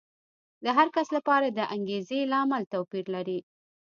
د هر کس لپاره د انګېزې لامل توپیر لري.